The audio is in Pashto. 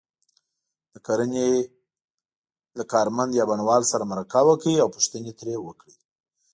د کرنې له کارمند یا بڼوال سره مرکه وکړئ او پوښتنې ترې وکړئ.